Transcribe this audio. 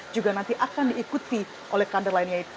juga nanti akan diikuti oleh kader lainnya